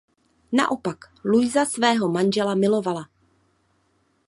Naopak Luisa svého manžela milovala.